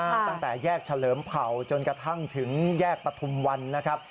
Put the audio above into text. ตั้งแต่แยกเฉลิมเผ่าจนกระทั่งถึงแยกปฐุมวันนะครับ